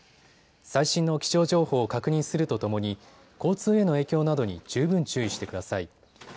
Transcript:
最新の気象情報を確認するとともに交通への影響などに十分注意してください。